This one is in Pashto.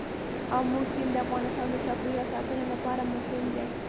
آمو سیند د افغانستان د چاپیریال ساتنې لپاره مهم دي.